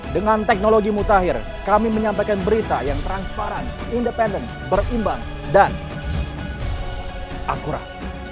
dengan teknologi mutakhir kami menyampaikan berita yang transparan independen berimbang dan akurat